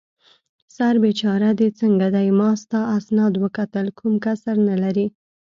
سر بېچاره دې څنګه دی؟ ما ستا اسناد وکتل، کوم کسر نه لرې.